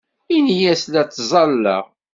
Ini-as la ttẓallaɣ.